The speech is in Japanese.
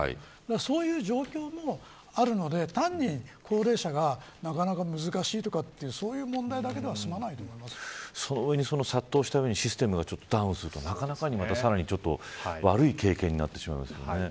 そういう状況もあるので単に高齢者がなかなか難しいというそういう問題だけではすまない殺到した上にシステムダウンするとなかなか、さらに悪い経験になってしまうんですね。